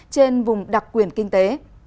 trên vùng đặc quyền kinh tế